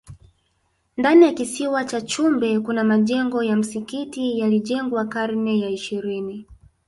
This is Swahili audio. ndani ya kisiwa cha chumbe kuna majengo ya msikiti yalijengwa karne ya ishirini